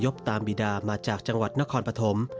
ที่อพยพตามบิดามาจากจังหวัดนครปภม